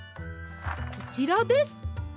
こちらです。